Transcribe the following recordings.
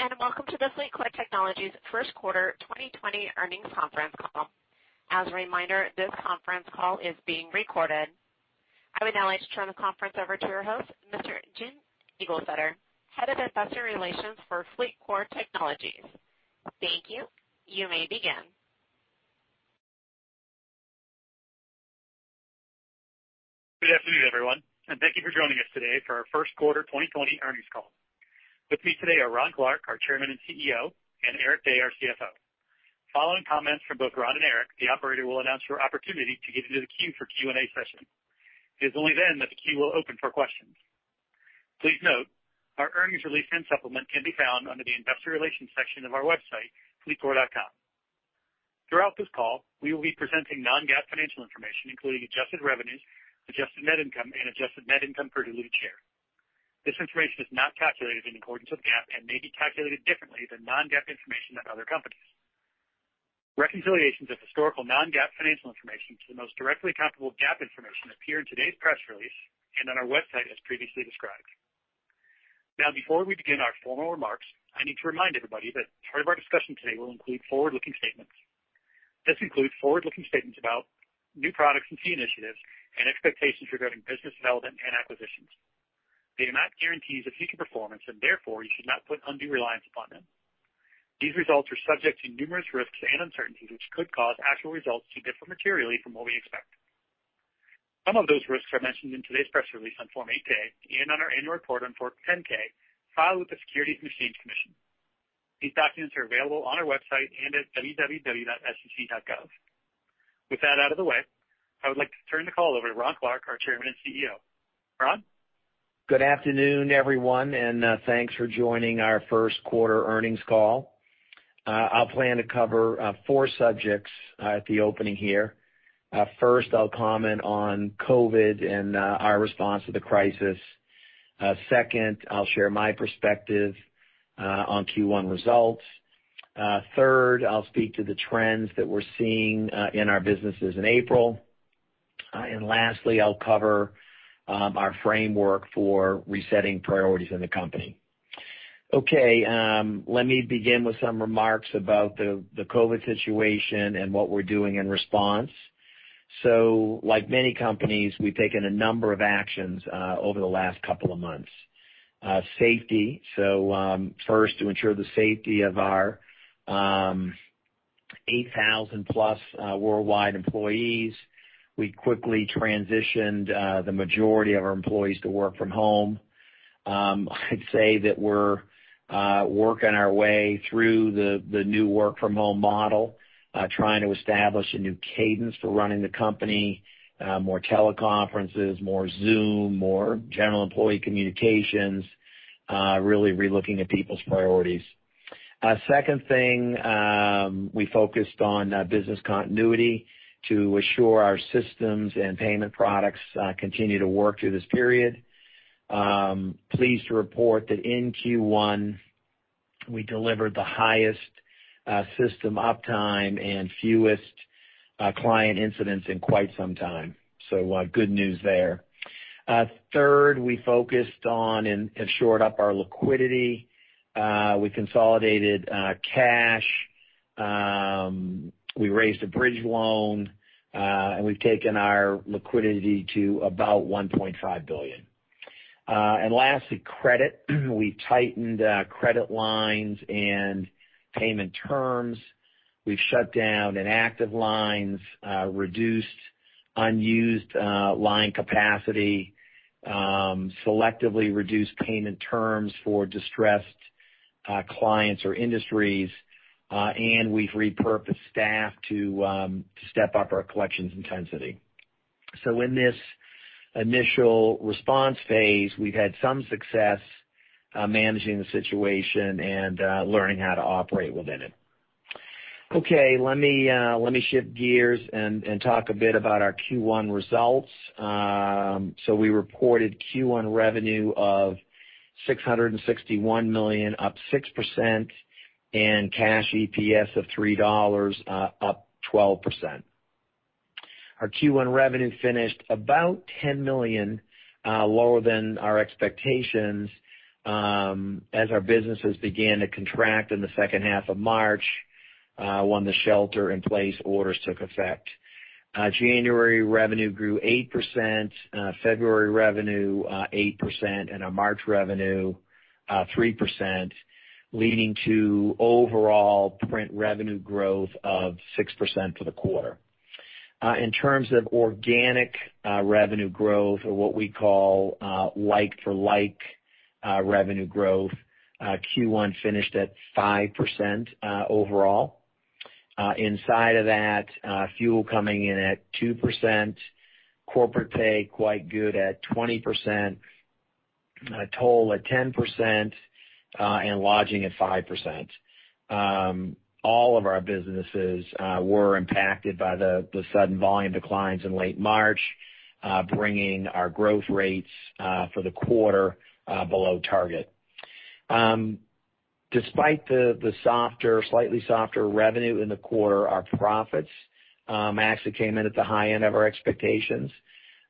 Greetings, and welcome to the FLEETCOR Technologies first quarter 2020 earnings conference call. As a reminder, this conference call is being recorded. I would now like to turn the conference over to your host, Mr. Jim Eglseder, Head of Investor Relations for FLEETCOR Technologies. Thank you. You may begin. Good afternoon, everyone, and thank you for joining us today for our first quarter 2020 earnings call. With me today are Ron Clarke, our Chairman and CEO, and Eric Dey, our CFO. Following comments from both Ron and Eric, the operator will announce your opportunity to get into the queue for Q&A session. It is only then that the queue will open for questions. Please note, our earnings release and supplement can be found under the investor relations section of our website, fleetcor.com. Throughout this call, we will be presenting non-GAAP financial information, including adjusted revenues, adjusted net income, and adjusted net income per diluted share. This information is not calculated in accordance with GAAP and may be calculated differently than non-GAAP information of other companies. Reconciliations of historical non-GAAP financial information to the most directly comparable GAAP information appear in today's press release and on our website as previously described. Before we begin our formal remarks, I need to remind everybody that part of our discussion today will include forward-looking statements. This includes forward-looking statements about new products and key initiatives and expectations regarding business development and acquisitions. They do not guarantee the future performance, and therefore, you should not put undue reliance upon them. These results are subject to numerous risks and uncertainties, which could cause actual results to differ materially from what we expect. Some of those risks are mentioned in today's press release on Form 8-K and on our annual report on Form 10-K filed with the Securities and Exchange Commission. These documents are available on our website and at www.sec.gov. With that out of the way, I would like to turn the call over to Ron Clarke, our Chairman and CEO. Ron? Good afternoon, everyone, and thanks for joining our first quarter earnings call. I plan to cover four subjects at the opening here. First, I'll comment on COVID and our response to the crisis. Second, I'll share my perspective on Q1 results. Third, I'll speak to the trends that we're seeing in our businesses in April. Lastly, I'll cover our framework for resetting priorities in the company. Okay, let me begin with some remarks about the COVID situation and what we're doing in response. Like many companies, we've taken a number of actions over the last couple of months. Safety. First, to ensure the safety of our 8,000+ worldwide employees, we quickly transitioned the majority of our employees to work from home. I'd say that we're working our way through the new work from home model, trying to establish a new cadence for running the company. More teleconferences, more Zoom, more general employee communications, really re-looking at people's priorities. Second thing, we focused on business continuity to assure our systems and payment products continue to work through this period. Pleased to report that in Q1, we delivered the highest system uptime and fewest client incidents in quite some time. Good news there. Third, we focused on and shored up our liquidity. We consolidated cash. We raised a bridge loan. We've taken our liquidity to about $1.5 billion. Lastly, credit. We've tightened credit lines and payment terms. We've shut down inactive lines, reduced unused line capacity, selectively reduced payment terms for distressed clients or industries. We've repurposed staff to step up our collections intensity. In this initial response phase, we've had some success managing the situation and learning how to operate within it. Okay. Let me shift gears and talk a bit about our Q1 results. We reported Q1 revenue of $661 million, up 6%, and cash EPS of $3, up 12%. Our Q1 revenue finished about $10 million lower than our expectations as our businesses began to contract in the second half of March when the shelter-in-place orders took effect. January revenue grew 8%, February revenue 8%, and our March revenue 3%, leading to overall print revenue growth of 6% for the quarter. In terms of organic revenue growth or what we call like-for-like revenue growth, Q1 finished at 5% overall. Inside of that, fuel coming in at 2%, corporate pay quite good at 20%, toll at 10%, and lodging at 5%. All of our businesses were impacted by the sudden volume declines in late March, bringing our growth rates for the quarter below target. Despite the slightly softer revenue in the quarter, our profits actually came in at the high end of our expectations,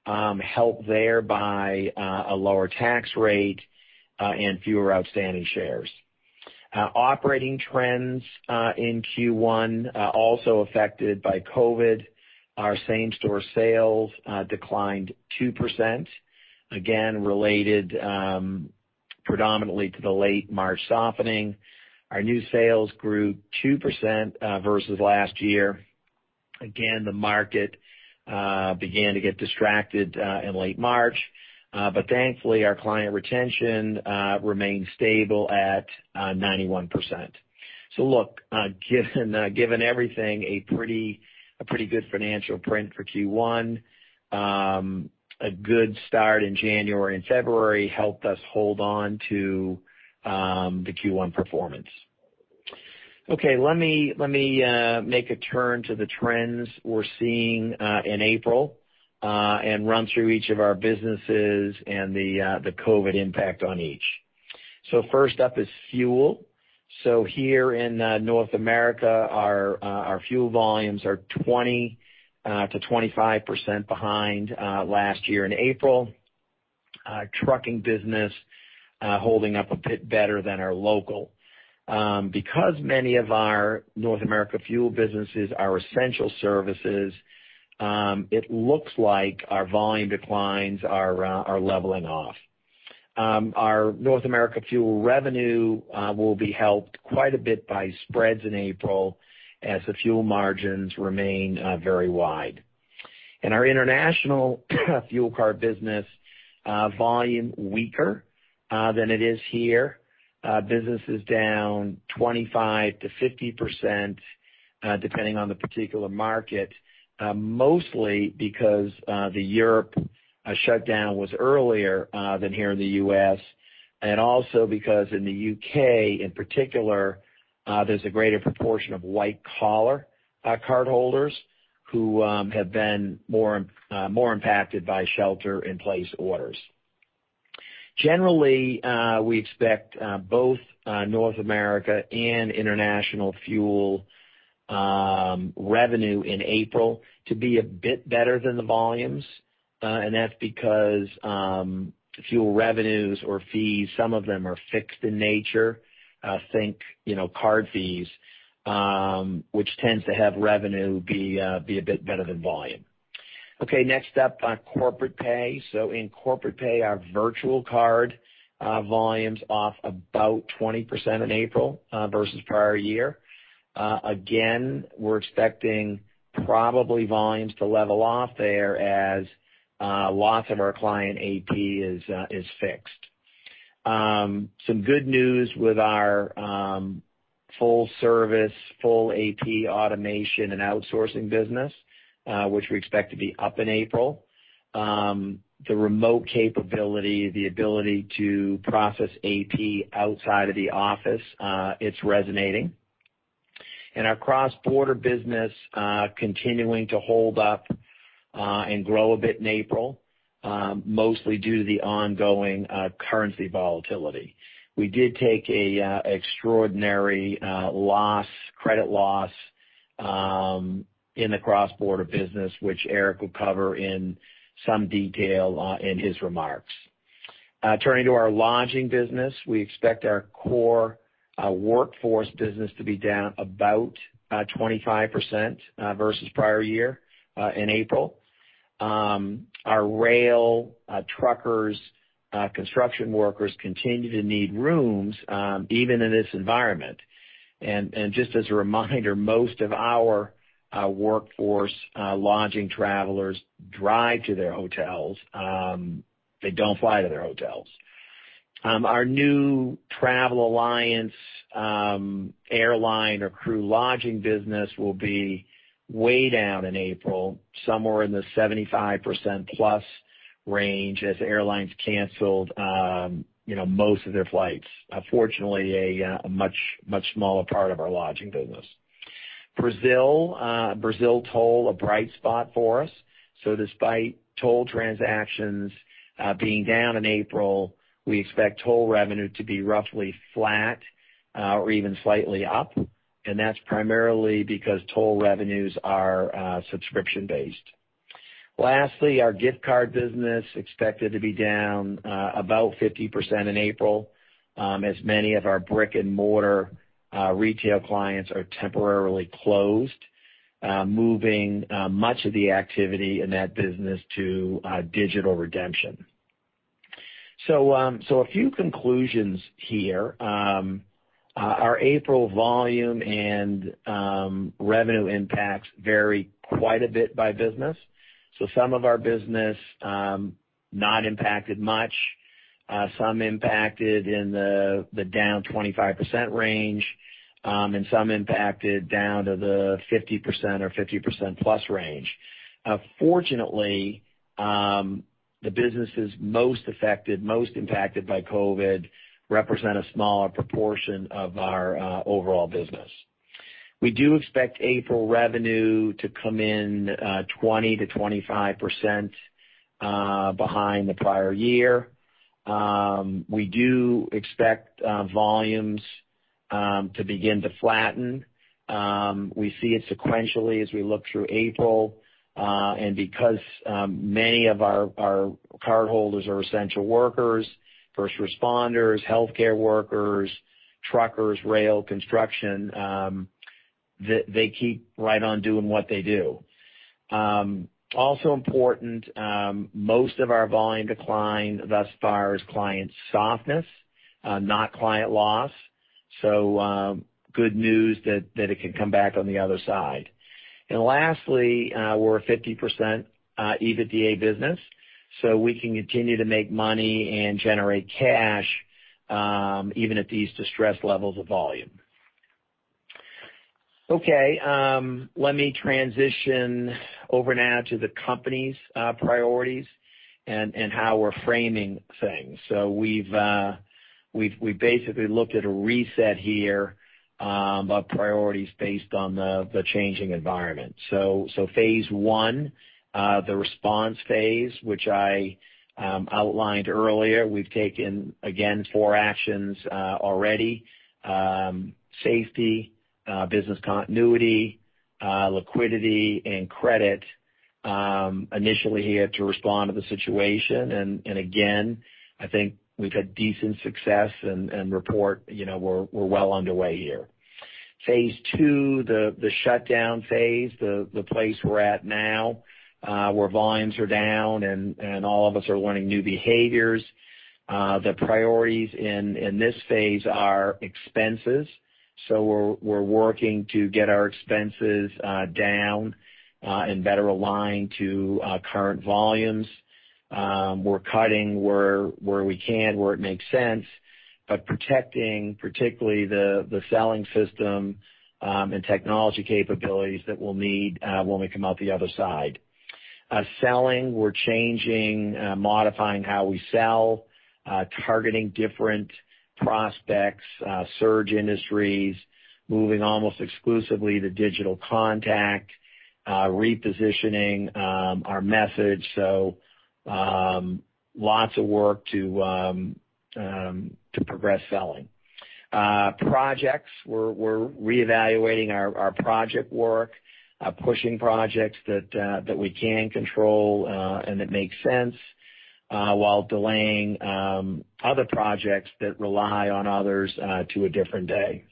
helped there by a lower tax rate and fewer outstanding shares. Our operating trends in Q1 are also affected by COVID. Our same-store sales declined 2%, again, related predominantly to the late March softening. Our new sales grew 2% versus last year. Again, the market began to get distracted in late March, but thankfully, our client retention remained stable at 91%. Look, given everything, a pretty good financial print for Q1. A good start in January and February helped us hold on to the Q1 performance. Okay. Let me make a turn to the trends we're seeing in April and run through each of our businesses and the COVID impact on each. First up is fuel. Here in North America, our fuel volumes are 20%-25% behind last year in April. Trucking business holding up a bit better than our local. Because many of our North America fuel businesses are essential services, it looks like our volume declines are leveling off. Our North America fuel revenue will be helped quite a bit by spreads in April as the fuel margins remain very wide. In our international fuel card business, volume weaker than it is here. Business is down 25%-50%, depending on the particular market. Mostly because the Europe shutdown was earlier than here in the U.S., and also because in the U.K. in particular, there's a greater proportion of white-collar cardholders who have been more impacted by shelter-in-place orders. Generally, we expect both North America and international fuel revenue in April to be a bit better than the volumes, and that's because fuel revenues or fees, some of them are fixed in nature. Think card fees, which tends to have revenue be a bit better than volume. Okay, next up, corporate pay. In corporate pay, our virtual card volume's off about 20% in April versus prior year. Again, we're expecting probably volumes to level off there as lots of our client AP is fixed. Some good news with our full service, full AP automation and outsourcing business, which we expect to be up in April. The remote capability, the ability to process AP outside of the office, it's resonating. Our cross-border business continuing to hold up and grow a bit in April. Mostly due to the ongoing currency volatility. We did take a extraordinary credit loss in the cross-border business, which Eric will cover in some detail in his remarks. Turning to our lodging business, we expect our core workforce business to be down about 25% versus prior year in April. Our rail truckers, construction workers continue to need rooms even in this environment. Just as a reminder, most of our workforce lodging travelers drive to their hotels. They don't fly to their hotels. Our new Travelliance airline or crew lodging business will be way down in April, somewhere in the 75%+ range as airlines canceled most of their flights. Fortunately, a much smaller part of our lodging business. Brazil toll, a bright spot for us. Despite toll transactions being down in April, we expect toll revenue to be roughly flat or even slightly up, and that's primarily because toll revenues are subscription-based. Lastly, our gift card business expected to be down about 50% in April, as many of our brick-and-mortar retail clients are temporarily closed, moving much of the activity in that business to digital redemption. A few conclusions here. Our April volume and revenue impacts vary quite a bit by business. Some of our business not impacted much, some impacted in the down 25% range, and some impacted down to the 50% or 50%+ range. Fortunately, the businesses most affected, most impacted by COVID represent a smaller proportion of our overall business. We do expect April revenue to come in 20%-25% behind the prior year. We do expect volumes to begin to flatten. We see it sequentially as we look through April, and because many of our cardholders are essential workers, first responders, healthcare workers, truckers, rail, construction. They keep right on doing what they do. Also important, most of our volume decline thus far is client softness, not client loss. Good news that it can come back on the other side. Lastly, we're a 50% EBITDA business, so we can continue to make money and generate cash even at these distressed levels of volume. Okay. Let me transition over now to the company's priorities and how we're framing things. We've basically looked at a reset here of priorities based on the changing environment. Phase one, the response phase, which I outlined earlier, we've taken, again, four actions already. Safety, business continuity, liquidity, and credit initially here to respond to the situation. Again, I think we've had decent success and report we're well underway here. Phase two, the shutdown phase, the place we're at now where volumes are down and all of us are learning new behaviors. The priorities in this phase are expenses. We're working to get our expenses down and better aligned to current volumes. We're cutting where we can, where it makes sense, but protecting particularly the selling system and technology capabilities that we'll need when we come out the other side. Selling, we're changing, modifying how we sell, targeting different prospects, surge industries, moving almost exclusively to digital contact, repositioning our message. Lots of work to progress selling. Projects, we're reevaluating our project work, pushing projects that we can control and that make sense while delaying other projects that rely on others to a different day.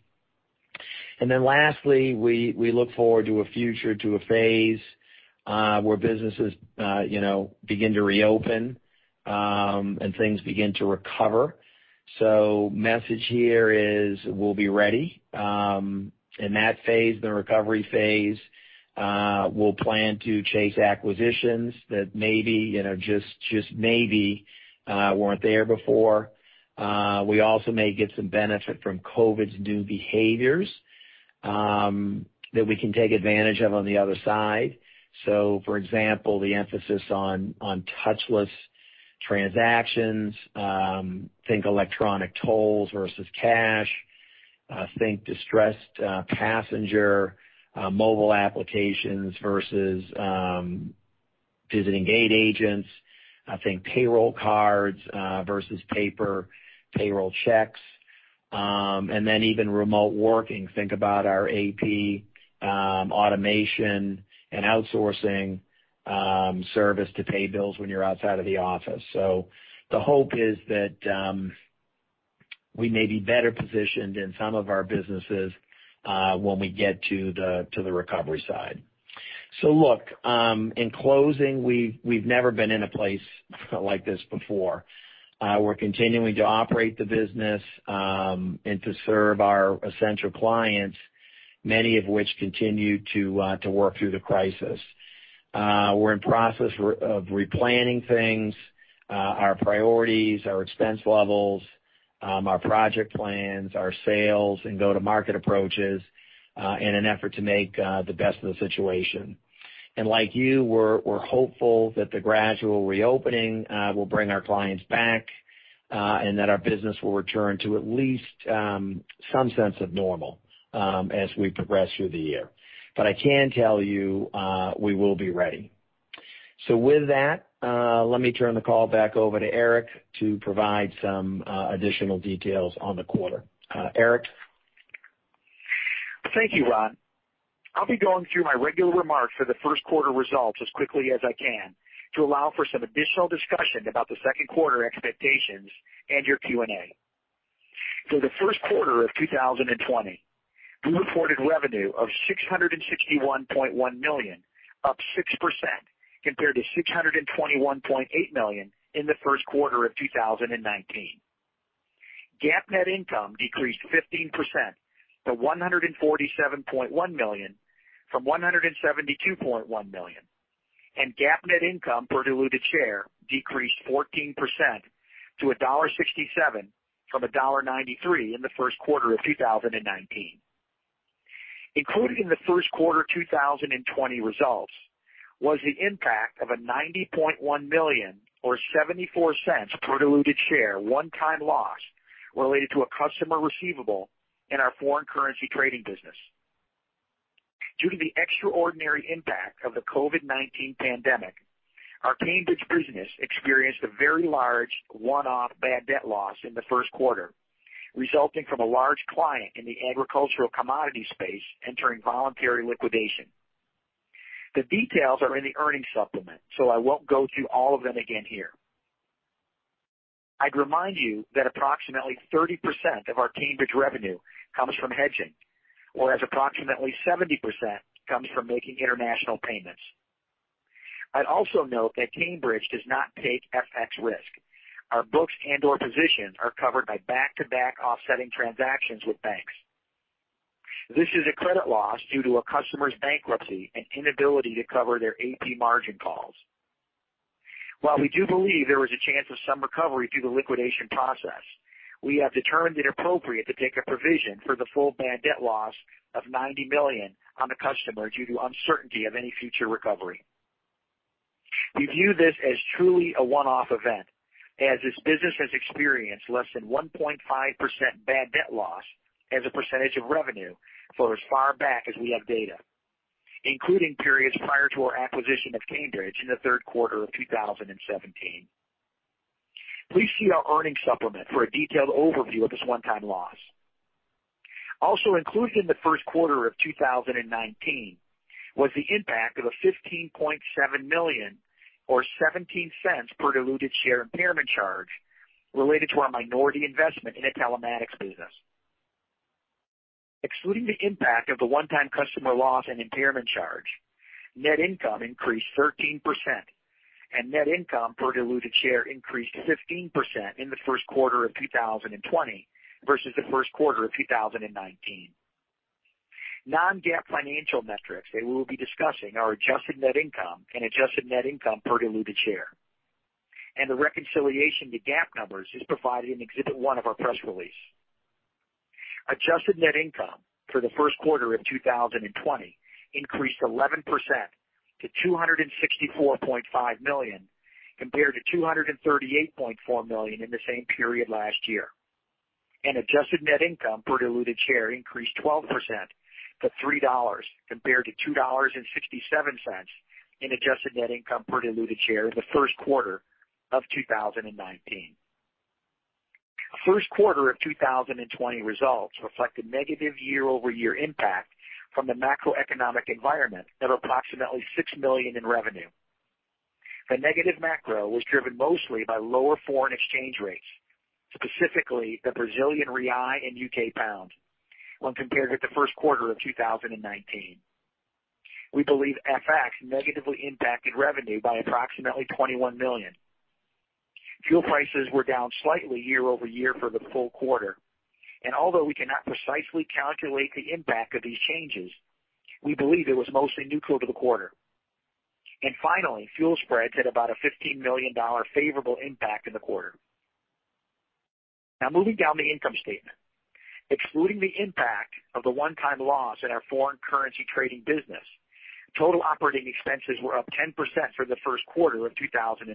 Lastly, we look forward to a future, to a phase where businesses begin to reopen and things begin to recover. Message here is we'll be ready. In that phase, the recovery phase, we'll plan to chase acquisitions that maybe, just maybe, weren't there before. We also may get some benefit from COVID's new behaviors that we can take advantage of on the other side. For example, the emphasis on touchless transactions, think electronic tolls versus cash. Think distressed passenger mobile applications versus visiting gate agents. Think payroll cards versus paper payroll checks. Then even remote working. Think about our AP automation and outsourcing service to pay bills when you're outside of the office. The hope is that we may be better positioned in some of our businesses when we get to the recovery side. Look, in closing, we've never been in a place like this before. We're continuing to operate the business and to serve our essential clients, many of which continue to work through the crisis. We're in process of replanning things, our priorities, our expense levels, our project plans, our sales, and go-to-market approaches in an effort to make the best of the situation. Like you, we're hopeful that the gradual reopening will bring our clients back and that our business will return to at least some sense of normal as we progress through the year. I can tell you we will be ready. With that, let me turn the call back over to Eric to provide some additional details on the quarter. Eric? Thank you, Ron. I'll be going through my regular remarks for the first quarter results as quickly as I can to allow for some additional discussion about the second quarter expectations and your Q&A. For the first quarter of 2020, we reported revenue of $661.1 million, up 6% compared to $621.8 million in the first quarter of 2019. GAAP net income decreased 15% to $147.1 million from $172.1 million. GAAP net income per diluted share decreased 14% to $1.67 from $1.93 in the first quarter of 2019. Included in the first quarter 2020 results was the impact of a $90.1 million, or $0.74 per diluted share, one-time loss related to a customer receivable in our foreign currency trading business. Due to the extraordinary impact of the COVID-19 pandemic, our Cambridge business experienced a very large one-off bad debt loss in the first quarter, resulting from a large client in the agricultural commodity space entering voluntary liquidation. The details are in the earnings supplement, so I won't go through all of them again here. I'd remind you that approximately 30% of our Cambridge revenue comes from hedging, whereas approximately 70% comes from making international payments. I'd also note that Cambridge does not take FX risk. Our books and/or positions are covered by back-to-back offsetting transactions with banks. This is a credit loss due to a customer's bankruptcy and inability to cover their AP margin calls. While we do believe there is a chance of some recovery through the liquidation process, we have determined it appropriate to take a provision for the full bad debt loss of $90 million on the customer due to uncertainty of any future recovery. We view this as truly a one-off event, as this business has experienced less than 1.5% bad debt loss as a percentage of revenue for as far back as we have data, including periods prior to our acquisition of Cambridge in the third quarter of 2017. Please see our earnings supplement for a detailed overview of this one-time loss. Also included in the first quarter of 2019 was the impact of a $15.7 million or $0.17 per diluted share impairment charge related to our minority investment in a telematics business. Excluding the impact of the one-time customer loss and impairment charge, net income increased 13%, and net income per diluted share increased 15% in the first quarter of 2020 versus the first quarter of 2019. Non-GAAP financial metrics that we will be discussing are adjusted net income and adjusted net income per diluted share. The reconciliation to GAAP numbers is provided in Exhibit 1 of our press release. Adjusted net income for the first quarter of 2020 increased 11% to $264.5 million, compared to $238.4 million in the same period last year. Adjusted net income per diluted share increased 12% to $3, compared to $2.67 in adjusted net income per diluted share in the first quarter of 2019. First quarter of 2020 results reflect a negative year-over-year impact from the macroeconomic environment of approximately $6 million in revenue. The negative macro was driven mostly by lower foreign exchange rates, specifically the Brazilian real and U.K. pound, when compared with the first quarter of 2019. We believe FX negatively impacted revenue by approximately $21 million. Fuel prices were down slightly year-over-year for the full quarter. Although we cannot precisely calculate the impact of these changes, we believe it was mostly neutral to the quarter. Finally, fuel spreads had about a $15 million favorable impact in the quarter. Now moving down the income statement. Excluding the impact of the one-time loss in our foreign currency trading business, total operating expenses were up 10% for the first quarter of 2020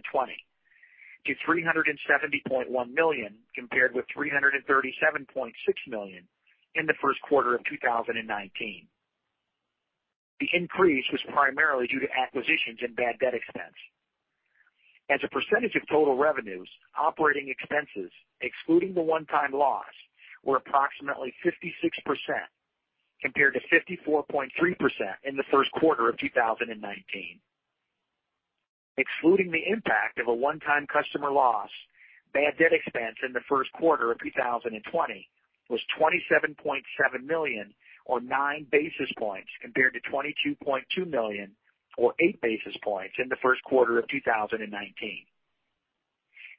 to $370.1 million, compared with $337.6 million in the first quarter of 2019. The increase was primarily due to acquisitions and bad debt expense. As a percentage of total revenues, operating expenses, excluding the one-time loss, were approximately 56%, compared to 54.3% in the first quarter of 2019. Excluding the impact of a one-time customer loss, bad debt expense in the first quarter of 2020 was $27.7 million or 9 basis points, compared to $22.2 million or 8 basis points in the first quarter of 2019.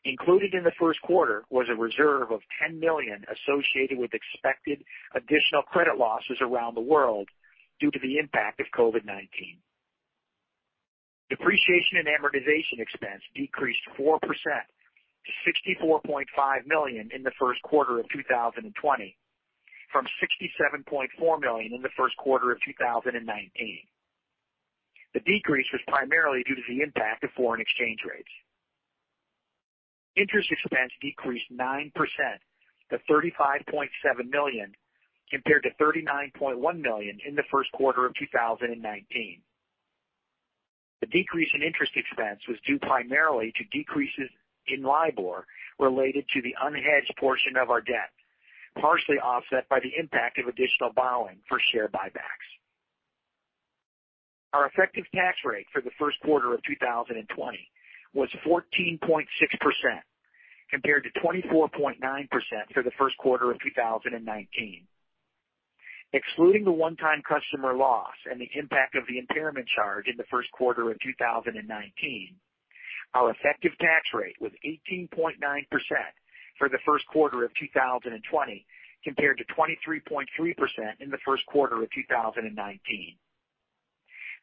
Included in the first quarter was a reserve of $10 million associated with expected additional credit losses around the world due to the impact of COVID-19. Depreciation and amortization expense decreased 4% to $64.5 million in the first quarter of 2020 from $67.4 million in the first quarter of 2019. The decrease was primarily due to the impact of foreign exchange rates. Interest expense decreased 9% to $35.7 million, compared to $39.1 million in the first quarter of 2019. The decrease in interest expense was due primarily to decreases in LIBOR related to the unhedged portion of our debt, partially offset by the impact of additional borrowing for share buybacks. Our effective tax rate for the first quarter of 2020 was 14.6%, compared to 24.9% for the first quarter of 2019. Excluding the one-time customer loss and the impact of the impairment charge in the first quarter of 2019, our effective tax rate was 18.9% for the first quarter of 2020, compared to 23.3% in the first quarter of 2019.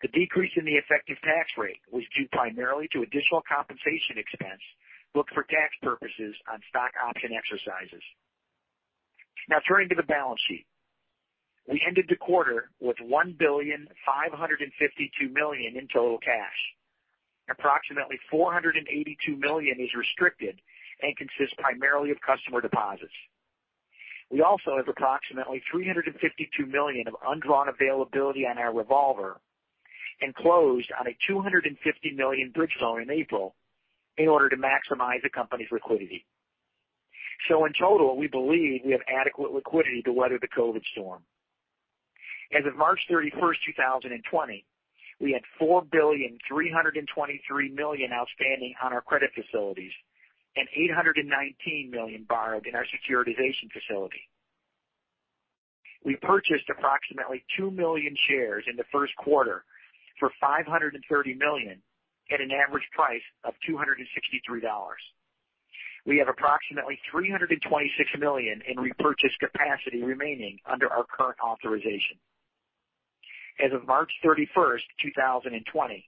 The decrease in the effective tax rate was due primarily to additional compensation expense booked for tax purposes on stock option exercises. Now turning to the balance sheet. We ended the quarter with $1.552 billion in total cash. Approximately $482 million is restricted and consists primarily of customer deposits. We also have approximately $352 million of undrawn availability on our revolver and closed on a $250 million bridge loan in April in order to maximize the company's liquidity. In total, we believe we have adequate liquidity to weather the COVID storm. As of March 31st, 2020, we had $4.323 billion outstanding on our credit facilities and $819 million borrowed in our securitization facility. We purchased approximately 2 million shares in the first quarter for $530 million at an average price of $263. We have approximately $326 million in repurchase capacity remaining under our current authorization. As of March 31st, 2020,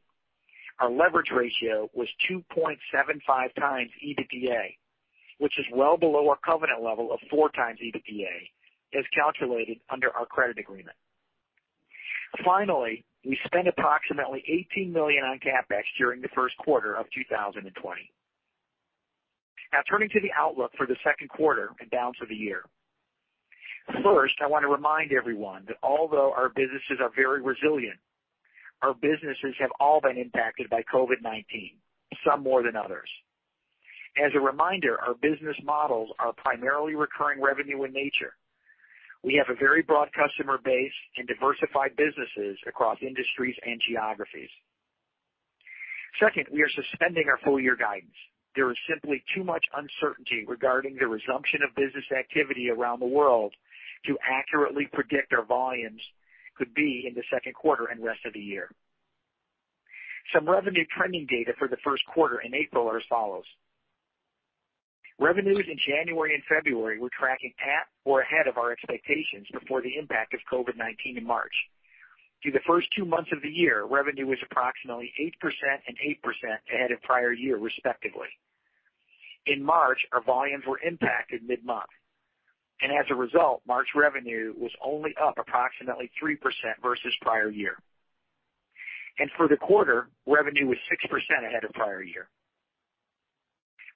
our leverage ratio was 2.75x EBITDA, which is well below our covenant level of 4x EBITDA as calculated under our credit agreement. Finally, we spent approximately $18 million on CapEx during the first quarter of 2020. Now turning to the outlook for the second quarter and balance of the year. First, I want to remind everyone that although our businesses are very resilient, our businesses have all been impacted by COVID-19, some more than others. As a reminder, our business models are primarily recurring revenue in nature. We have a very broad customer base and diversified businesses across industries and geographies. Second, we are suspending our full year guidance. There is simply too much uncertainty regarding the resumption of business activity around the world to accurately predict our volumes could be in the second quarter and rest of the year. Some revenue trending data for the first quarter in April are as follows. Revenues in January and February were tracking at or ahead of our expectations before the impact of COVID-19 in March. Through the first two months of the year, revenue was approximately 8% and 8% ahead of prior year respectively. In March, our volumes were impacted mid-month, and as a result, March revenue was only up approximately 3% versus prior year. For the quarter, revenue was 6% ahead of prior year.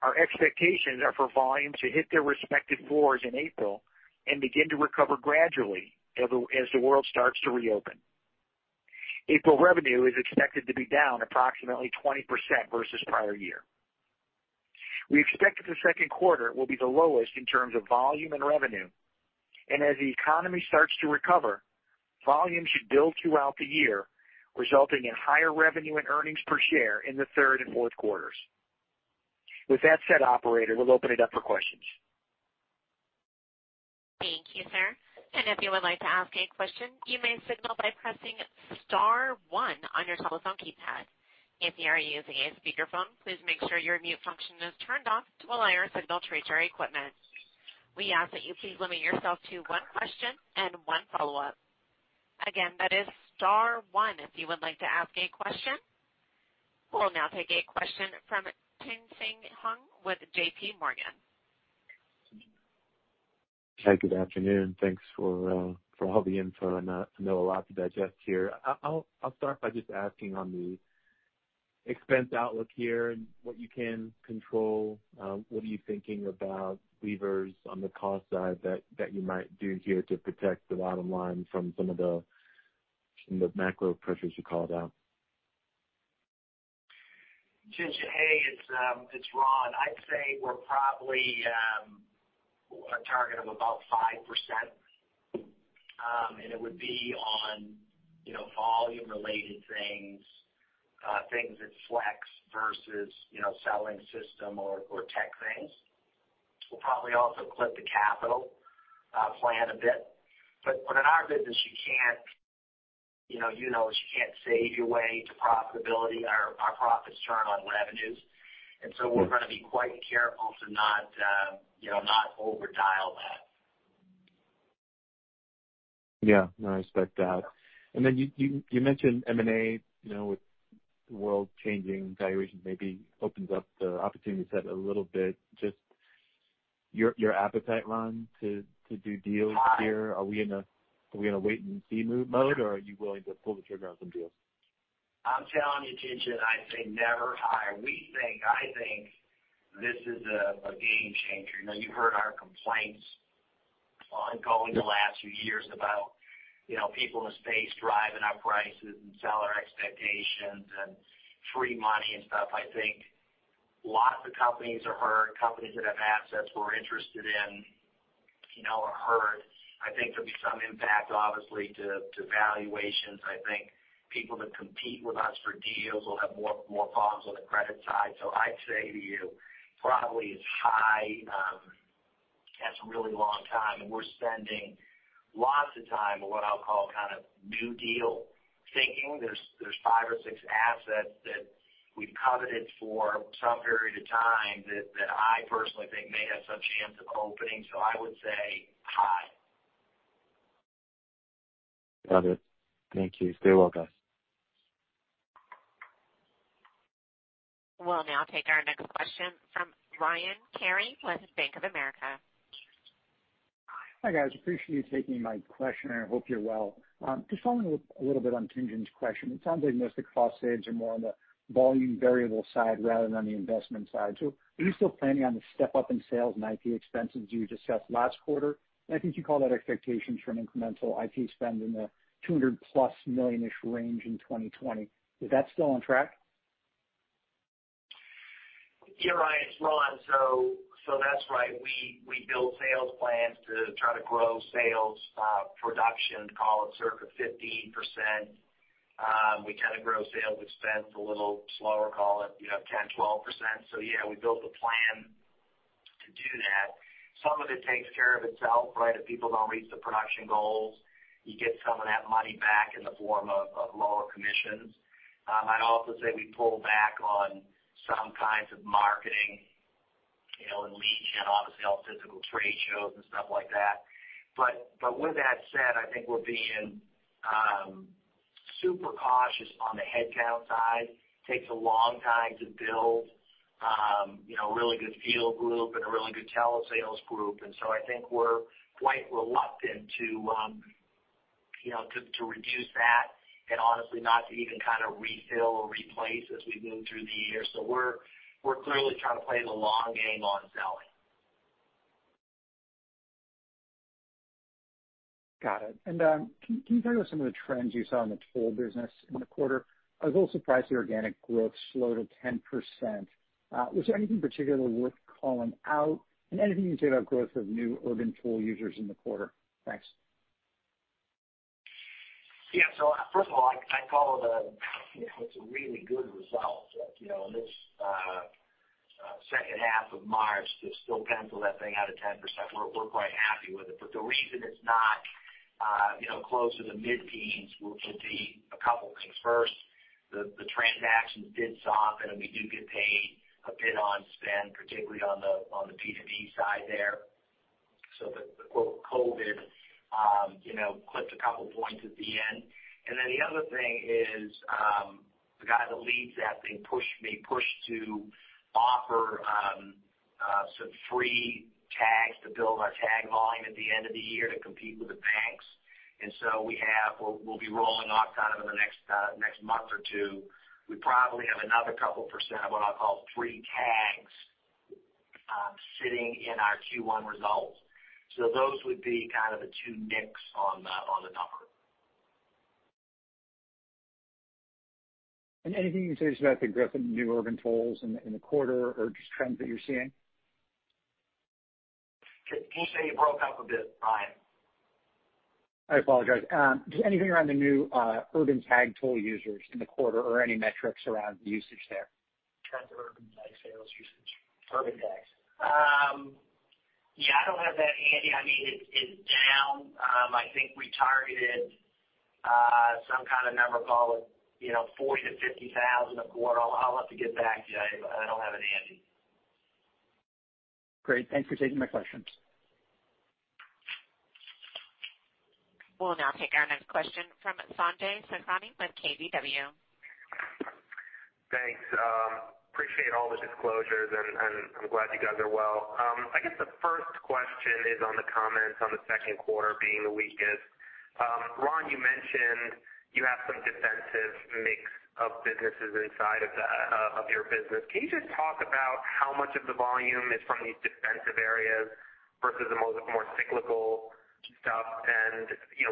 Our expectations are for volumes to hit their respective floors in April and begin to recover gradually as the world starts to reopen. April revenue is expected to be down approximately 20% versus prior year. We expect that the second quarter will be the lowest in terms of volume and revenue. As the economy starts to recover, volumes should build throughout the year, resulting in higher revenue and earnings per share in the third and fourth quarters. With that said, operator, we'll open it up for questions. Thank you, sir. If you would like to ask a question, you may signal by pressing star one on your telephone keypad. If you are using a speakerphone, please make sure your mute function is turned on to allow your signal to reach our equipment. We ask that you please limit yourself to one question and one follow-up. Again, that is star one if you would like to ask a question. We will now take a question from Tien-Tsin Huang with JPMorgan. Hi, good afternoon. Thanks for all the info. I know a lot to digest here. I'll start by just asking on the expense outlook here and what you can control. What are you thinking about levers on the cost side that you might do here to protect the bottom line from some of the macro pressures you called out? Tien-Tsin, it's Ron. I'd say we're probably a target of about 5%. It would be on volume-related things that flex versus selling system or tech things. We'll probably also clip the capital plan a bit. In our business, you can't save your way to profitability. Our profits turn on revenues. We're going to be quite careful to not over dial that. Yeah. No, I expect that. You mentioned M&A with the world changing valuation maybe opens up the opportunity set a little bit. Just your appetite, Ron, to do deals here. Are we in a wait-and-see mode, or are you willing to pull the trigger on some deals? I'm telling you, Tien-Tsin, I say never high. I think this is a game changer. You've heard our complaints ongoing the last few years about people in the space driving up prices and seller expectations and free money and stuff. I think lots of companies are hurt. Companies that have assets we're interested in are hurt. I think there'll be some impact, obviously, to valuations. I think people that compete with us for deals will have more problems on the credit side. I'd say to you, probably as high as really long time, and we're spending lots of time on what I'll call kind of new deal thinking. There's five or six assets that we've coveted for some period of time that I personally think may have some chance of opening. I would say high. Got it. Thank you. Stay well, guys. We'll now take our next question from Ryan Cary with Bank of America. Hi, guys. Appreciate you taking my question, and I hope you're well. Following up a little bit on Tien-Tsin's question. It sounds like most of the cost saves are more on the volume variable side rather than the investment side. Are you still planning on the step-up in sales and IP expenses you discussed last quarter? I think you call that expectations from incremental IP spend in the $200+ million-ish range in 2020. Is that still on track? Ryan, it's Ron. That's right. We build sales plans to try to grow sales, production, call it circa 15%. We kind of grow sales expense a little slower, call it 10%-12%. Yeah, we built a plan to do that. Some of it takes care of itself, right? If people don't reach the production goals, you get some of that money back in the form of lower commissions. I'd also say we pull back on some kinds of marketing, and lead gen, obviously all physical trade shows and stuff like that. With that said, I think we're being super cautious on the headcount side. Takes a long time to build a really good field group and a really good telesales group. I think we're quite reluctant to reduce that and honestly, not to even kind of refill or replace as we move through the year. We're clearly trying to play the long game on selling. Got it. Can you tell us some of the trends you saw in the toll business in the quarter? I was a little surprised the organic growth slowed to 10%. Was there anything particularly worth calling out? Anything you can say about growth of new urban toll users in the quarter? Thanks. First of all, I'd call it a really good result. In this second half of March to still pencil that thing out of 10%, we're quite happy with it. The reason it's not closer to mid-teens would be a couple things. First, the transactions did soften, and we do get paid a bit on spend, particularly on the B2B side there. The "COVID" clipped a couple points at the end. The other thing is, the guy that leads that thing pushed me, pushed to offer some free tags to build our tag volume at the end of the year to compete with the banks. We'll be rolling off kind of in the next month or two. We probably have another couple percent of what I'll call free tags sitting in our Q1 results. Those would be kind of the two mix on the number. Anything you can say just about the growth of new urban tolls in the quarter or just trends that you're seeing? Can you say, you broke up a bit, Ryan. I apologize. Just anything around the new urban tag toll users in the quarter or any metrics around usage there? In terms of urban tag sales usage. Urban tags. Yeah, I don't have that handy. It's down. I think we targeted some kind of number, call it 40,000-50,000 a quarter. I'll have to get back to you. I don't have it handy. Great. Thanks for taking my questions. We'll now take our next question from Sanjay Sakhrani with KBW. Thanks. Appreciate all the disclosures, and I'm glad you guys are well. I guess the first question is on the comments on the second quarter being the weakest. Ron, you mentioned you have some defensive mix of businesses inside of your business. Can you just talk about how much of the volume is from these defensive areas versus the more cyclical stuff and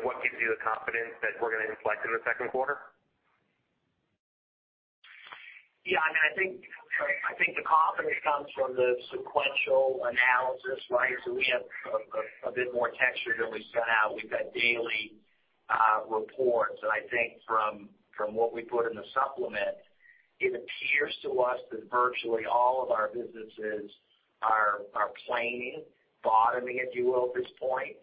what gives you the confidence that we're going to inflect in the second quarter? Yeah, I think the confidence comes from the sequential analysis, right? We have a bit more texture than we sent out. We've got daily reports, and I think from what we put in the supplement, it appears to us that virtually all of our businesses are planing, bottoming, if you will, at this point.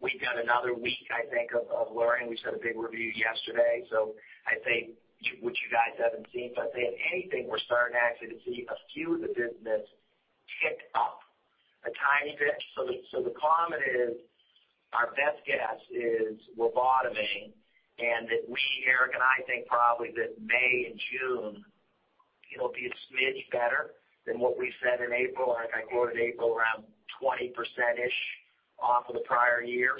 We've got another week, I think, of learning. We just had a big review yesterday, which you guys haven't seen. If anything, we're starting actually to see a few of the business tick up a tiny bit. The comment is, our best guess is we're bottoming, and that we, Eric and I think probably that May and June, it'll be a smidge better than what we said in April. I quoted April around 20%-ish off of the prior year.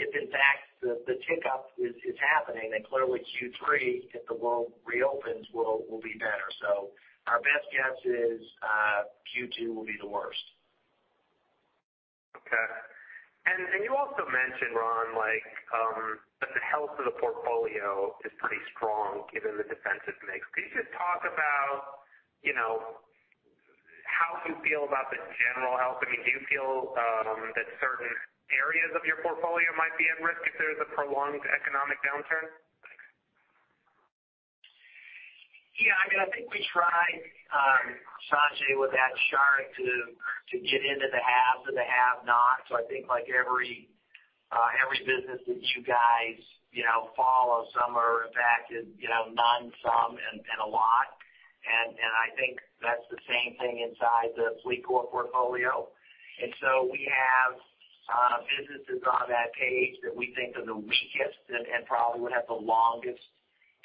If in fact the tick up is happening, then clearly Q3, if the world reopens, will be better. Our best guess is Q2 will be the worst. Okay. You also mentioned, Ron, that the health of the portfolio is pretty strong given the defensive mix. Can you just talk about how you feel about the general health? Do you feel that certain areas of your portfolio might be at risk if there's a prolonged economic downturn? Thanks. Yeah. I think we tried, Sanjay, with that chart to get into the haves or the have-nots. I think like every business that you guys follow, some are impacted none, some, and a lot. I think that's the same thing inside the FLEETCOR portfolio. We have businesses on that page that we think are the weakest and probably would have the longest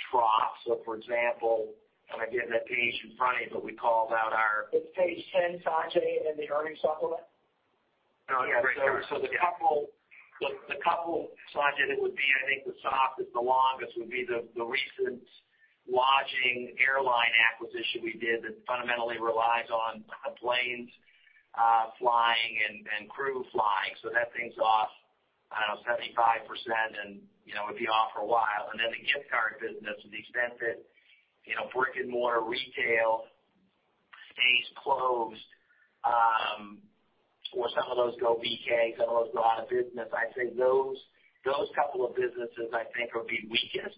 trough. For example, and I forget the page in front of me, but we called out our- It's page 10, Sanjay, in the earnings supplement. Look, the couple, Sanjay, that would be, I think, the softest, the longest would be the recent lodging airline acquisition we did that fundamentally relies on planes flying and crew flying. That thing's off I don't know, 75% and would be off for a while. Then the gift card business, to the extent that brick-and-mortar retail stays closed or some of those go BK, some of those go out of business, I'd say those couple of businesses, I think, will be weakest.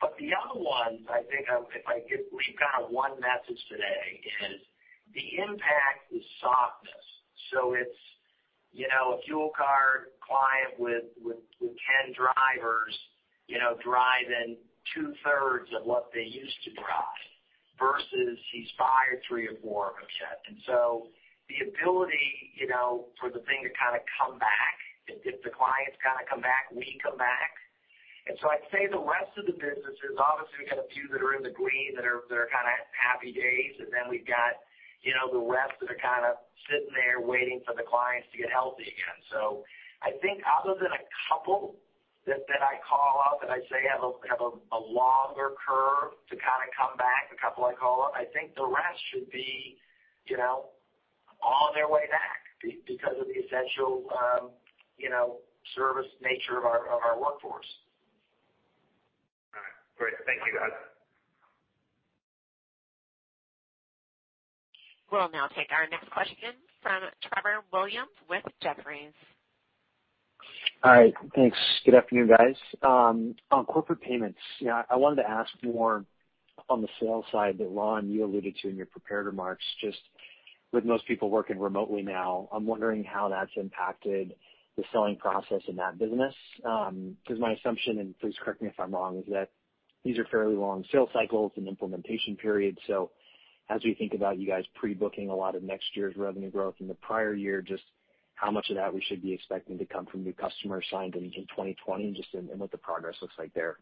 The other ones, I think if I could leave kind of one message today is the impact is softness. It's a fuel card client with 10 drivers driving 2/3 of what they used to drive versus he's fired three or four of them, et cetera. The ability for the thing to kind of come back, if the clients kind of come back, we come back. I'd say the rest of the businesses, obviously we got a few that are in the green that are kind of happy days. Then we've got the rest that are kind of sitting there waiting for the clients to get healthy again. I think other than a couple that I call out that I say have a longer curve to kind of come back, the couple I call out, I think the rest should be on their way back because of the essential service nature of our workforce. All right. Great. Thank you, guys. We'll now take our next question from Trevor Williams with Jefferies. Hi. Thanks. Good afternoon, guys. On corporate payments, I wanted to ask more on the sales side that, Ron, you alluded to in your prepared remarks. Just with most people working remotely now, I'm wondering how that's impacted the selling process in that business. My assumption, and please correct me if I'm wrong, is that these are fairly long sales cycles and implementation periods. As we think about you guys pre-booking a lot of next year's revenue growth in the prior year, just how much of that we should be expecting to come from new customers signed in 2020, and just what the progress looks like there.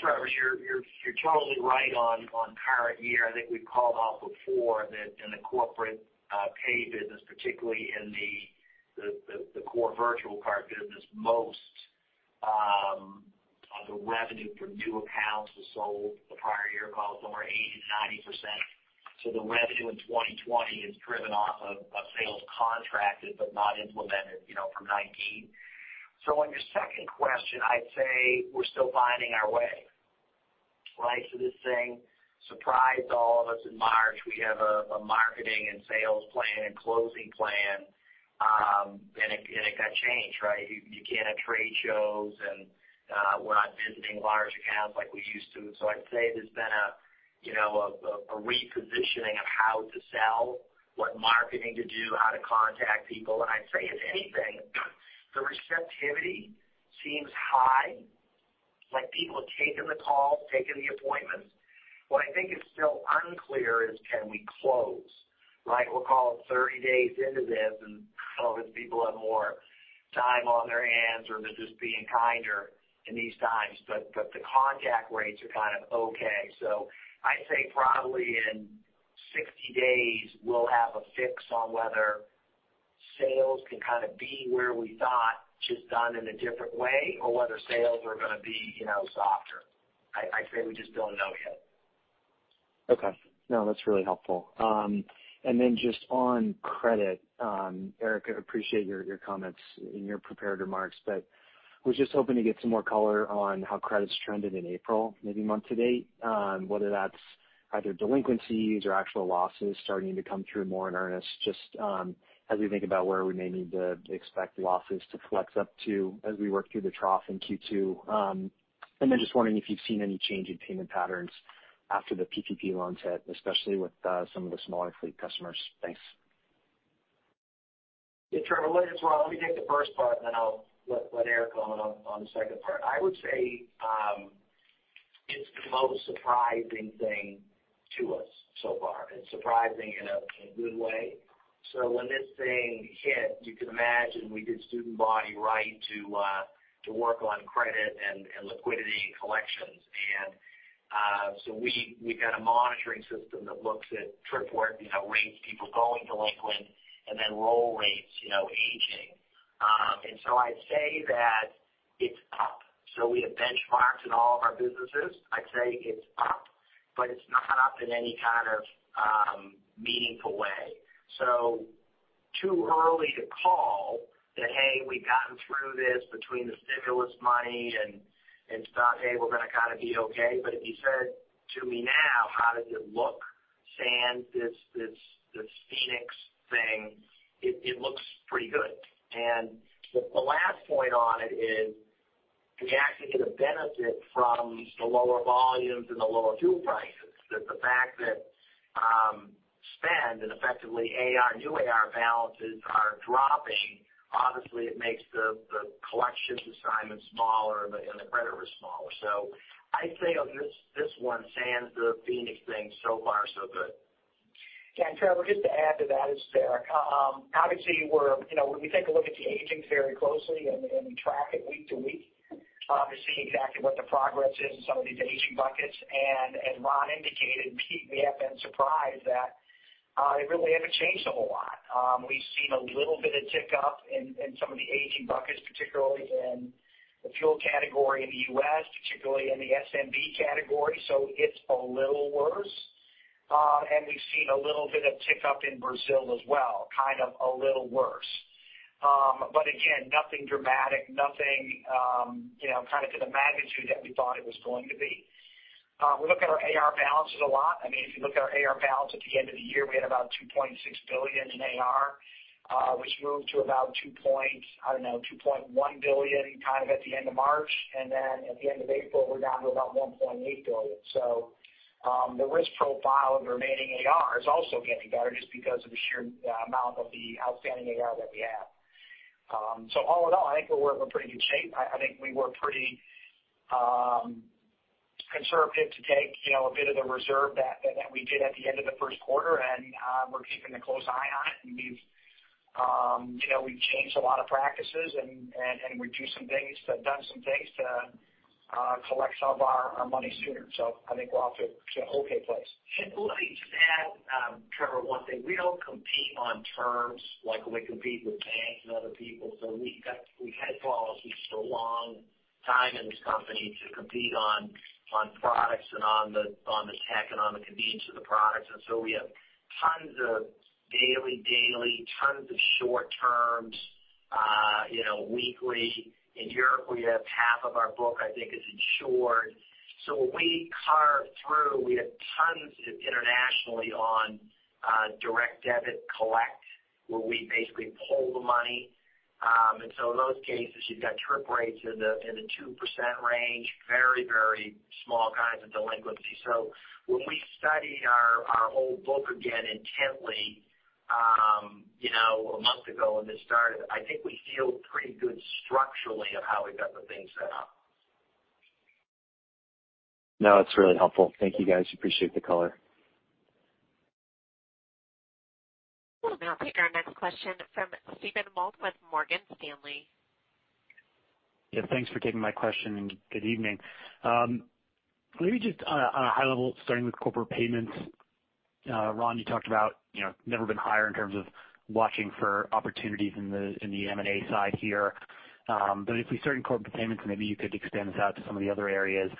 Trevor, you're totally right on current year. I think we've called out before that in the corporate pay business, particularly in the core virtual card business, most of the revenue from new accounts was sold the prior year, call it somewhere 80%-90%. The revenue in 2020 is driven off of sales contracted but not implemented from 2019. On your second question, I'd say we're still finding our way, right? This thing surprised all of us in March. We have a marketing and sales plan and closing plan, and it got changed, right? You can't have trade shows, and we're not visiting large accounts like we used to. I'd say there's been a repositioning of how to sell, what marketing to do, how to contact people. I'd say if anything, the receptivity seems high, like people are taking the calls, taking the appointments. What I think is still unclear is can we close, right? We'll call it 30 days into this, and I don't know if it's people have more time on their hands or they're just being kinder in these times. The contact rates are kind of okay. I'd say probably in 60 days we'll have a fix on whether sales can kind of be where we thought, just done in a different way, or whether sales are going to be softer. I'd say we just don't know yet. Okay. No, that's really helpful. And then just on credit, Eric, I appreciate your comments in your prepared remarks, but was just hoping to get some more color on how credit's trended in April, maybe month to date, whether that's either delinquencies or actual losses starting to come through more in earnest, just as we think about where we may need to expect losses to flex up to as we work through the trough in Q2. And then just wondering if you've seen any change in payment patterns after the PPP loans hit, especially with some of the smaller fleet customers. Thanks. Yeah, Trevor, let me take the first part, then I'll let Eric comment on the second part. I would say it's the most surprising thing to us so far, and surprising in a good way. When this thing hit, you can imagine we did student body right to work on credit and liquidity and collections. We've got a monitoring system that looks at trip work, rates, people going delinquent, and then roll rates aging. I'd say that it's up. We have benchmarks in all of our businesses. I'd say it's up, but it's not up in any kind of meaningful way. Too early to call that, hey, we've gotten through this between the stimulus money and it's not, hey, we're going to kind of be okay. If you said to me now, how does it look sans this Phoenix thing, it looks pretty good. The last point on it is we actually get a benefit from the lower volumes and the lower fuel prices. That the fact that spend and effectively new AR balances are dropping, obviously it makes the collections assignment smaller and the credit risk smaller. I'd say on this one, sans the Phoenix thing, so far so good. Yeah, Trevor, just to add to that. It's Eric. Obviously, when we take a look at the aging very closely and we track it week to week to see exactly what the progress is in some of these aging buckets. As Ron indicated, we have been surprised that it really hasn't changed a whole lot. We've seen a little bit of tick up in some of the aging buckets, particularly in the fuel category in the U.S., particularly in the SMB category. It's a little worse. We've seen a little bit of tick up in Brazil as well, kind of a little worse. Again, nothing dramatic, nothing to the magnitude that we thought it was going to be. We look at our AR balances a lot. If you look at our AR balance at the end of the year, we had about $2.6 billion in AR, which moved to about, I don't know, $2.1 billion at the end of March. At the end of April, we're down to about $1.8 billion. The risk profile of the remaining AR is also getting better just because of the sheer amount of the outstanding AR that we have. All in all, I think we're in pretty good shape. I think we were pretty conservative to take a bit of the reserve that we did at the end of the first quarter, and we're keeping a close eye on it. We've changed a lot of practices and we've done some things to collect some of our money sooner. I think we're off to an okay place. Let me just add, Trevor, one thing. We don't compete on terms like we compete with banks and other people. We've had policies for a long time in this company to compete on products and on the tech and on the convenience of the products. We have tons of daily, tons of short terms, weekly. In Europe, we have half of our book, I think, is insured. When we carve through, we have tons internationally on direct debit collect where we basically pull the money. In those cases, you've got trip rates in the 2% range, very, very small kinds of delinquency. When we studied our whole book again intently a month ago when this started, I think we feel pretty good structurally of how we've got the things set up. No, it's really helpful. Thank you, guys. Appreciate the color. We'll now take our next question from Steven Wald with Morgan Stanley. Yeah, thanks for taking my question, and good evening. Maybe just on a high level, starting with corporate payments. Ron, you talked about never been higher in terms of watching for opportunities in the M&A side here. If we start in corporate payments, maybe you could expand this out to some of the other areas.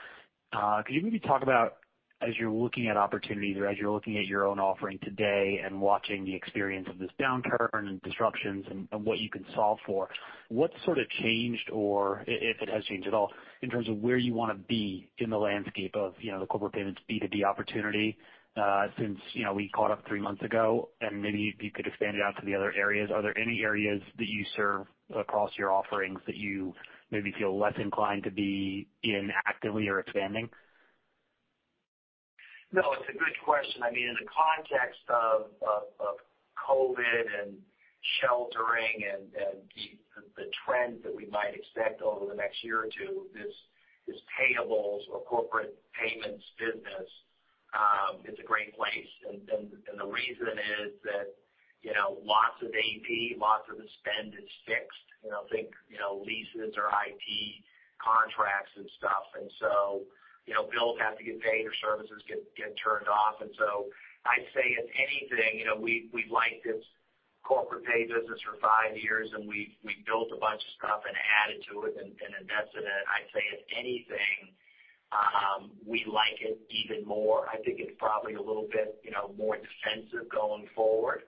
Could you maybe talk about as you're looking at opportunities or as you're looking at your own offering today and watching the experience of this downturn and disruptions and what you can solve for, what sort of changed or if it has changed at all in terms of where you want to be in the landscape of the corporate payments B2B opportunity since we caught up three months ago? Maybe if you could expand it out to the other areas. Are there any areas that you serve across your offerings that you maybe feel less inclined to be in actively or expanding? No, it's a good question. In the context of COVID and sheltering and the trend that we might expect over the next year or two, this payables or corporate payments business is a great place. The reason is that lots of AP, lots of the spend is fixed. Think leases or IT contracts and stuff. Bills have to get paid or services get turned off. I'd say if anything, we've liked this corporate pay business for five years, and we've built a bunch of stuff and added to it and invested in it. I'd say if anything, we like it even more. I think it's probably a little bit more defensive going forward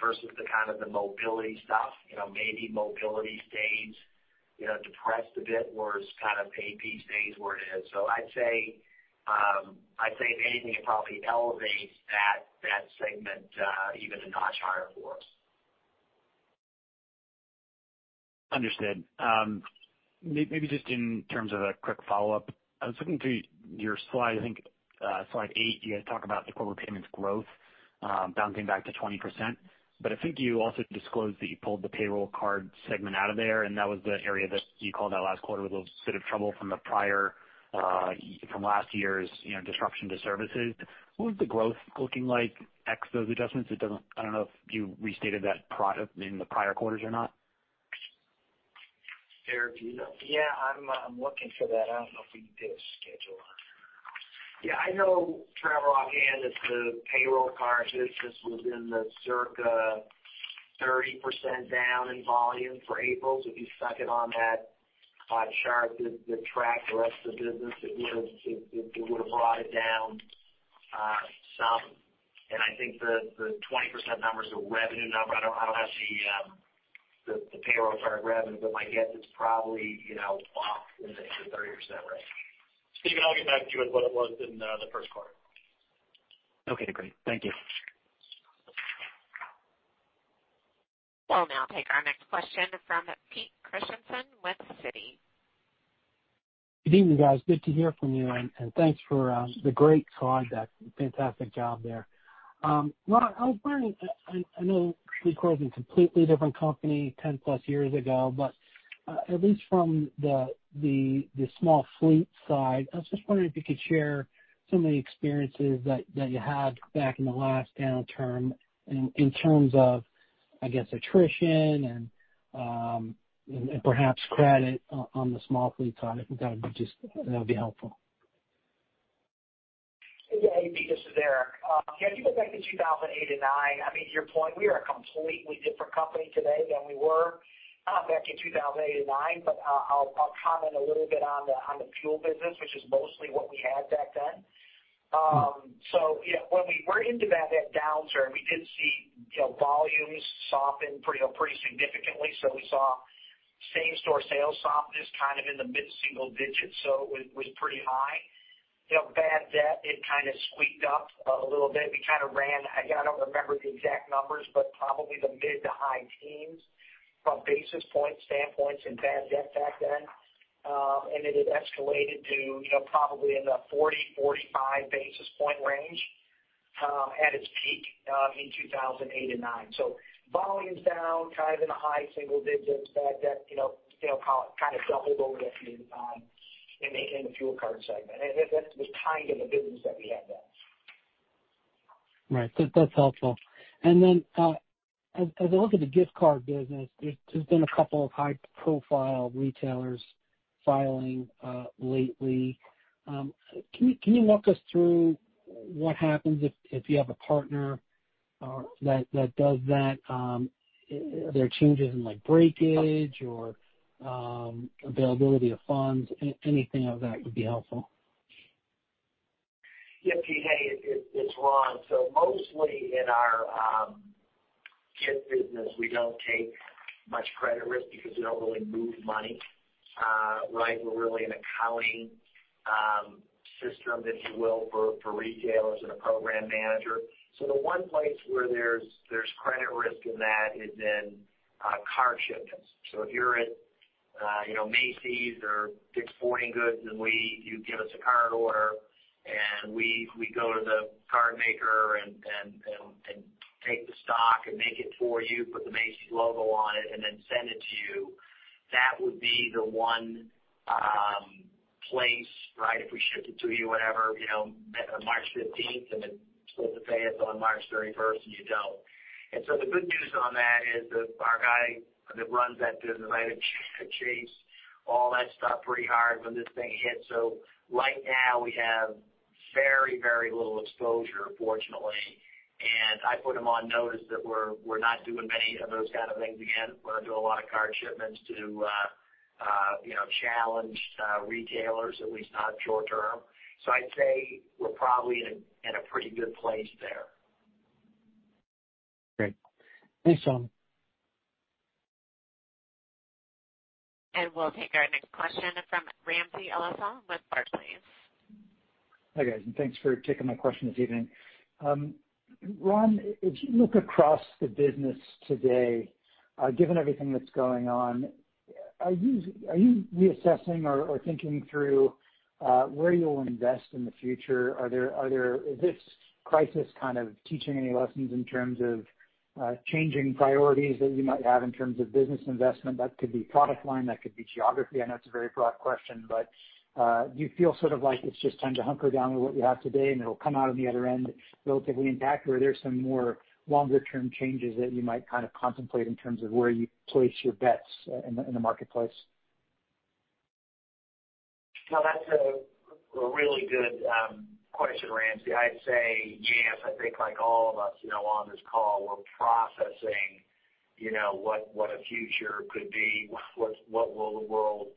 versus the kind of the mobility stuff. Maybe mobility stays depressed a bit, whereas kind of pay piece stays where it is. I'd say if anything, it probably elevates that segment even a notch higher for us. Understood. Maybe just in terms of a quick follow-up. I was looking through your slide. I think slide eight, you guys talk about the corporate payments growth bouncing back to 20%. I think you also disclosed that you pulled the payroll card segment out of there, and that was the area that you called out last quarter with a little bit of trouble from last year's disruption to services. What was the growth looking like ex those adjustments? I don't know if you restated that in the prior quarters or not. Eric, do you know? Yeah. I'm looking for that. I don't know if we did a schedule on it. I know, Trevor, offhand that the payroll card business was in the circa 30% down in volume for April. If you stuck it on that chart that tracked the rest of the business, it would have brought it down some. I think the 20% number is a revenue number. I don't have the payroll card revenue, but my guess it's probably off into the 30% range. Steven, I'll get back to you with what it was in the first quarter. Okay, great. Thank you. We'll now take our next question from Pete Christiansen with Citi. Good evening, guys. Good to hear from you, and thanks for the great call deck. Fantastic job there. Ron, I know FLEETCOR is a completely different company 10+ years ago, but at least from the small fleet side, I was just wondering if you could share some of the experiences that you had back in the last downturn in terms of, I guess, attrition and perhaps credit on the small fleet side. I think that would be helpful. Hey, Pete. This is Eric. If you go back to 2008 and 2009, to your point, we are a completely different company today than we were back in 2008 and 2009. I'll comment a little bit on the fuel business, which is mostly what we had back then. Yeah, when we were into that downturn, we did see volumes soften pretty significantly. We saw same-store sales softness kind of in the mid-single digits. It was pretty high. Bad debt, it kind of squeaked up a little bit. We kind of ran, again, I don't remember the exact numbers, but probably the mid to high teens from basis point standpoints in bad debt back then. It had escalated to probably in the 40, 45 basis point range at its peak in 2008 and 2009. Volumes down kind of in the high single digits. Bad debt kind of doubled over that period of time in the fuel card segment. That was tied to the business that we had then. Right. That's helpful. As I look at the gift card business, there's been a couple of high-profile retailers filing lately. Can you walk us through what happens if you have a partner that does that? Are there changes in like, breakage or availability of funds? Anything of that would be helpful. Yeah, Pete. Hey, it's Ron. Mostly in our gift business, we don't take much credit risk because we don't really move money. We're really an accounting system, if you will, for retailers and a program manager. The one place where there's credit risk in that is in card shipments. If you're at Macy's or DICK’S Sporting Goods, you give us a card order, we go to the card maker and take the stock and make it for you, put the Macy's logo on it, and then send it to you. That would be the one place, if we ship it to you whenever, March 15th, you're supposed to pay us on March 31st, you don't. The good news on that is that our guy that runs that business item chased all that stuff pretty hard when this thing hit. Right now, we have very, very little exposure, fortunately. I put him on notice that we're not doing many of those kind of things again. We're not doing a lot of card shipments to challenged retailers, at least not short-term. I'd say we're probably in a pretty good place there. Great. Thanks, Ron. We'll take our next question from Ramsey El-Assal with Barclays. Hi, guys, and thanks for taking my question this evening. Ron, as you look across the business today, given everything that's going on, are you reassessing or thinking through where you'll invest in the future? Is this crisis kind of teaching any lessons in terms of changing priorities that you might have in terms of business investment? That could be product line, that could be geography. I know it's a very broad question, but do you feel sort of like it's just time to hunker down with what you have today, and it'll come out on the other end relatively intact? Or are there some more longer-term changes that you might kind of contemplate in terms of where you place your bets in the marketplace? No, that's a really good question, Ramsey. I'd say yes. I think like all of us on this call, we're processing what a future could be. What will the world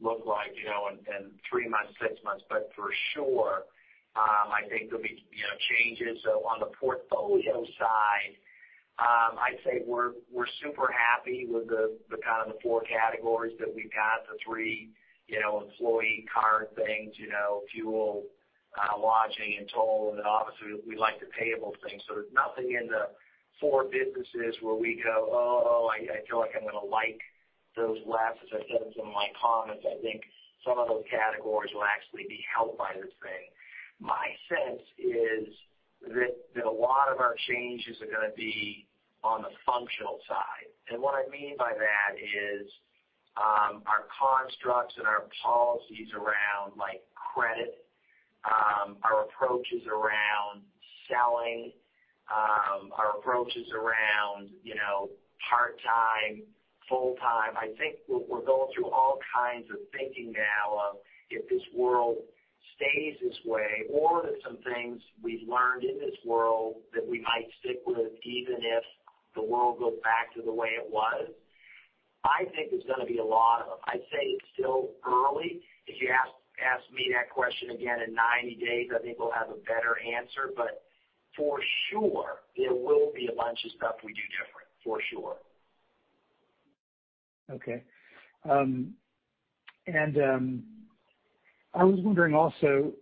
look like in three months, six months? For sure, I think there'll be changes. On the portfolio side, I'd say we're super happy with the kind of the four categories that we've got. The three employee card things, fuel, lodging, and toll, and then obviously we like the payable thing. There's nothing in the four businesses where we go, "Uh-oh, I feel like I'm going to like those less." As I said in some of my comments, I think some of those categories will actually be helped by this thing. My sense is that a lot of our changes are going to be on the functional side. What I mean by that is our constructs and our policies around credit, our approaches around selling, our approaches around part-time, full-time. I think we're going through all kinds of thinking now of if this world stays this way or there's some things we've learned in this world that we might stick with, even if the world goes back to the way it was. I think there's going to be a lot of them. I'd say it's still early. If you ask me that question again in 90 days, I think we'll have a better answer, but for sure, there will be a bunch of stuff we do different. For sure. Okay. I was wondering also,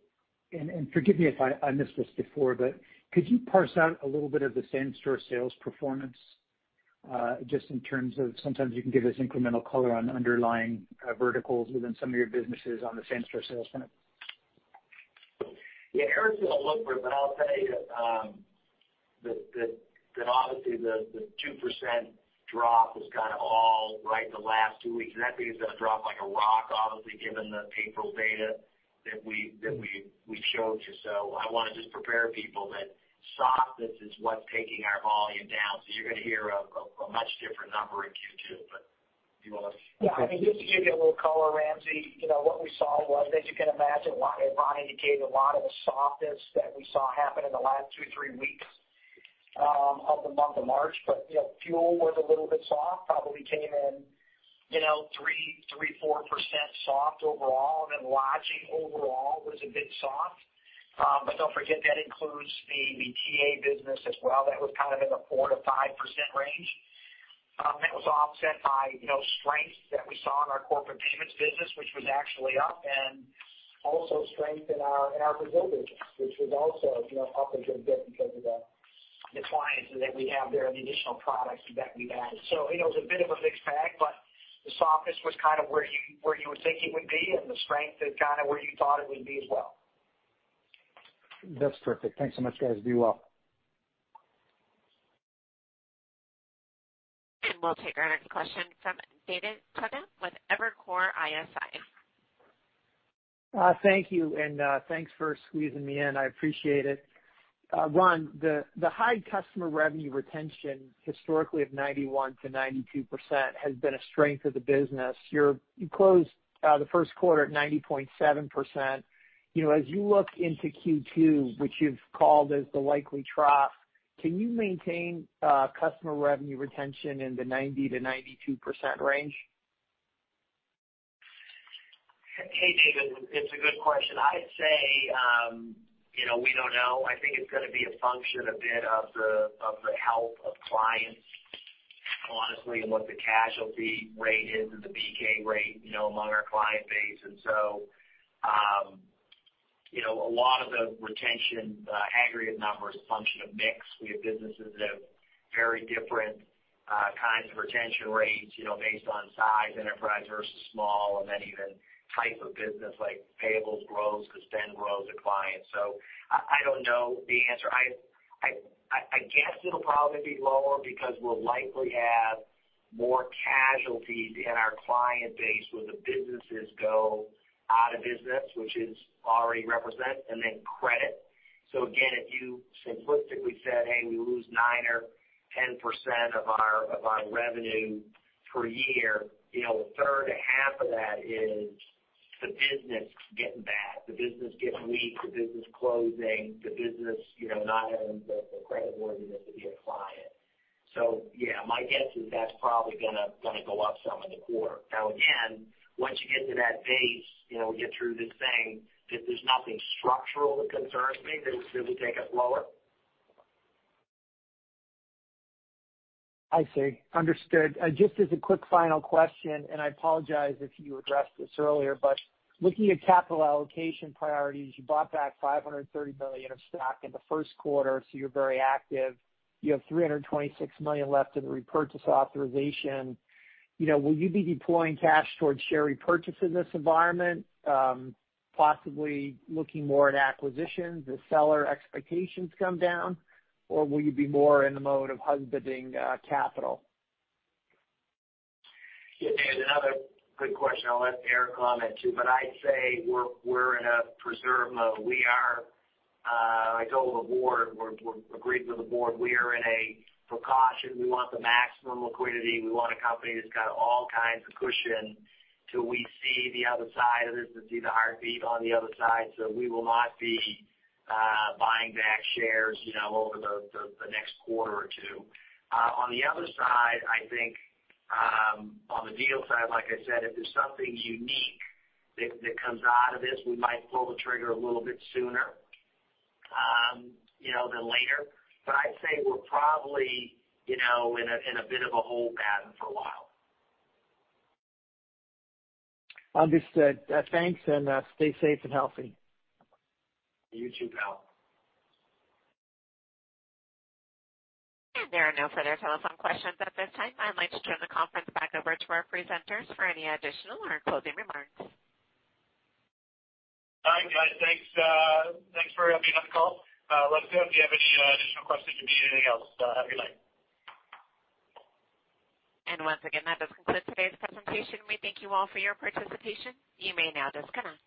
and forgive me if I missed this before, but could you parse out a little bit of the same-store sales performance just in terms of sometimes you can give us incremental color on underlying verticals within some of your businesses on the same-store sales front? Yeah, Eric can fill in a little bit, but I'll tell you that obviously the 2% drop was kind of all right the last two weeks. That means it's going to drop like a rock, obviously, given the April data that we showed you. I want to just prepare people that softness is what's taking our volume down. You're going to hear a much different number in Q2. Do you want to? Yeah. I mean, just to give you a little color, Ramsey, what we saw was, as you can imagine, Ron indicated a lot of the softness that we saw happen in the last two, three weeks of the month of March. Fuel was a little bit soft, probably came in 3%, 4% soft overall, and then lodging overall was a bit soft. Don't forget, that includes the TA business as well. That was kind of in the 4%-5% range. That was offset by strength that we saw in our corporate payments business, which was actually up, and also strength in our Brazil business, which was also up a good bit because of the clients that we have there and the additional products that we've added. It was a bit of a mixed bag, but the softness was kind of where you would think it would be, and the strength at kind of where you thought it would be as well. That's terrific. Thanks so much, guys. Be well. We'll take our next question from David Togut with Evercore ISI. Thank you. Thanks for squeezing me in. I appreciate it. Ron, the high customer revenue retention historically of 91%-92% has been a strength of the business. You closed the first quarter at 90.7%. As you look into Q2, which you've called as the likely trough, can you maintain customer revenue retention in the 90%-92% range? Hey, David. It's a good question. I'd say we don't know. I think it's going to be a function a bit of the health of clients, honestly, and what the casualty rate is and the BK rate among our client base. A lot of the retention aggregate number is a function of mix. We have businesses that have very different kinds of retention rates based on size, enterprise versus small, and then even type of business like payables grows because spend grows a client. I don't know the answer. I guess it'll probably be lower because we'll likely have more casualties in our client base when the businesses go out of business, which is already represented, and then credit. Again, if you simplistically said, "Hey, we lose 9% or 10% of our revenue per year," a third or half of that is the business getting bad, the business getting weak, the business closing, the business not having the creditworthiness to be a client. Yeah, my guess is that's probably going to go up some in the quarter. Now, again, once you get to that base, we get through this thing, there's nothing structural that concerns me that would take us lower. I see. Understood. Just as a quick final question, and I apologize if you addressed this earlier, but looking at capital allocation priorities, you bought back $530 million of stock in the first quarter, so you're very active. You have $326 million left in the repurchase authorization. Will you be deploying cash towards share repurchase in this environment, possibly looking more at acquisitions as seller expectations come down? Or will you be more in the mode of husbanding capital? Yeah, David, another good question. I'll let Eric comment, too. I'd say we're in a preserve mode. I told the board, we're agreeing with the board, we are in a precaution. We want the maximum liquidity. We want a company that's got all kinds of cushion till we see the other side of this and see the heartbeat on the other side. We will not be buying back shares over the next quarter or two. On the other side, I think on the deal side, like I said, if there's something unique that comes out of this, we might pull the trigger a little bit sooner than later. I'd say we're probably in a bit of a hold pattern for a while. Understood. Thanks, and stay safe and healthy. You too, pal. There are no further telephone questions at this time. I'd like to turn the conference back over to our presenters for any additional or closing remarks. Hi, guys. Thanks for letting me on the call. Let us know if you have any additional questions or need anything else. Have a good night. Once again, that does conclude today's presentation. We thank you all for your participation. You may now disconnect.